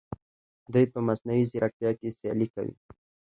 دوی په مصنوعي ځیرکتیا کې سیالي کوي.